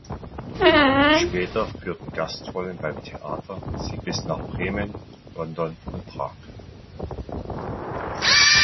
Später führten Gastrollen beim Theater sie bis nach Bremen, London und Prag.